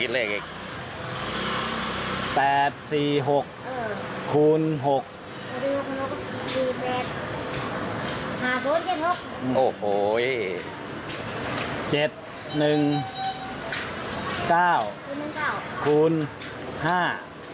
แล้วตามหาตามหา